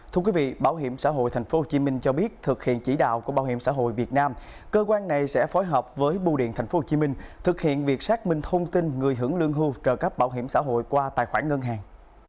thưa quý vị bảo hiểm xã hội tp hcm cho biết thực hiện chỉ đạo của bảo hiểm xã hội việt nam cơ quan này sẽ phối hợp với bưu điện tp hcm thực hiện việc xác minh thông tin người hưởng lương hưu trợ cấp bảo hiểm xã hội qua tài khoản ngân hàng